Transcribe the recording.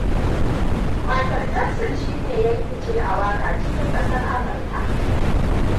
Makel Jakson shine ya fi fice a waƙa cikin ƙasar Amurka.